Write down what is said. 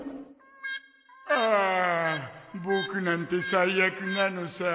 ああ僕なんて最悪なのさ